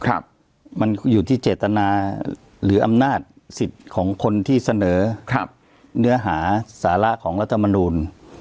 ครับมันอยู่ที่เจตนาหรืออำนาจสิทธิ์ของคนที่เสนอครับเนื้อหาสาระของรัฐมนูล